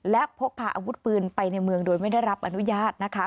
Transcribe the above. และพกพาอาวุธปืนไปในเมืองโดยไม่ได้รับอนุญาตนะคะ